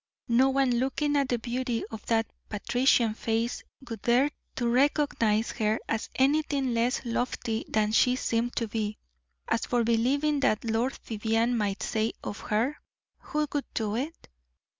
No one looking at the beauty of that patrician face would dare to recognize her as anything less lofty than she seemed to be. As for believing what Lord Vivianne might say of her, who would do it?